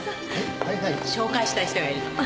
紹介したい人がいるの。